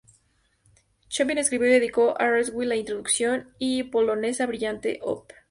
Chopin escribió y dedicó a Radziwill la Introducción y Polonesa Brillante Op.